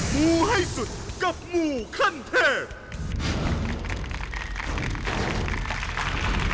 งูให้สุดกับหมู่ขั้นเทพ